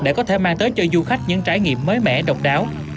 để có thể mang tới cho du khách những trải nghiệm mới mẻ độc đáo